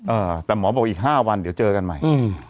เออแต่หมอบอกอีกห้าวันเดี๋ยวเจอกันใหม่อืม